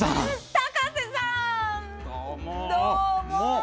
高瀬さん、どうも！